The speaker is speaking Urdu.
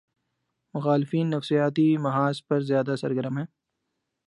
مخالفین نفسیاتی محاذ پر زیادہ سرگرم ہیں۔